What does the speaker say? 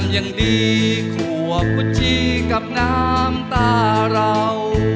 อย่างดีขวบหัวจี้กับน้ำตาเรา